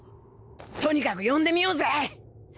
とにかく呼んでみようぜ。